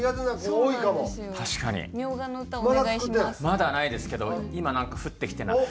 まだないですけど今なんか降ってきて。